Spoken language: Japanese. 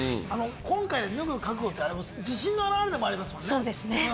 今回で脱ぐ覚悟って自信の表れでもありますもんね。